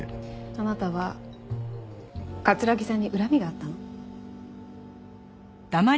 あなたは城さんに恨みがあったの？